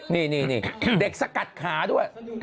นี่เด็กสกัดขาด้วย